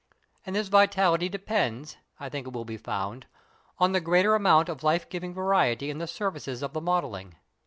And this vitality depends, I think it will be found, on the greater amount of life giving variety in the surfaces of the modelling.